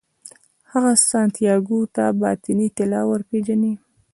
هغه سانتیاګو ته باطني طلا ورپېژني.